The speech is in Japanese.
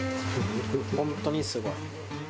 本当にすごい。